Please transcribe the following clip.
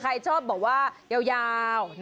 ใครชอบบอกว่ายาว